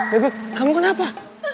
beb beb kamu kenapa